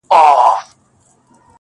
• او په برخه یې ترمرګه پښېماني سي -